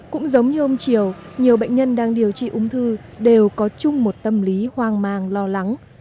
cũng giống như ông triều nhiều bệnh nhân đang điều trị ung thư đều có chung một tâm lý hoang mang lo lắng